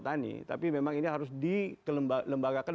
tani tapi memang ini harus dikelembagakan